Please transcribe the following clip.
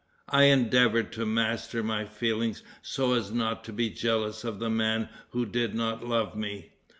I endeavored to master my feelings so as not to be jealous of the man who did not love me.